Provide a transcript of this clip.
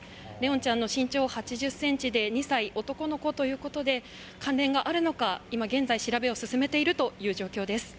怜音ちゃんの身長は８０ｃｍで２歳、男の子ということで、関連があるのか今現在調べを進めているという状況です。